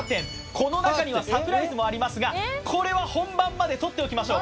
この中にはサプライズもありますがこれは本番までとっておきましょう